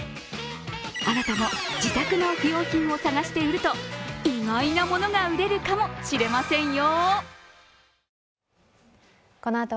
あなたも自宅の不用品を探して売ると意外なものが売れるかもしれませんよ。